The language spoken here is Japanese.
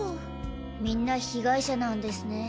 みんな被害者なんですね。